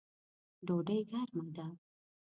ډوډۍ ګرمه ده